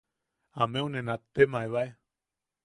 Ameu ne nattemaebae.